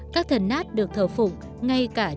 các thần nát được thờ phụng ngay cả trước đời